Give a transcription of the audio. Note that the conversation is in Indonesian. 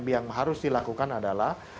yang harus dilakukan adalah